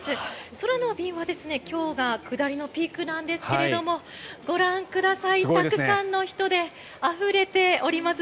空の便は今日が下りのピークなんですがご覧ください、たくさんの人であふれております。